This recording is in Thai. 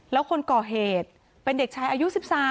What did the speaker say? แล้วคนก่อเหตุเป็นเด็กชายอายุ๑๓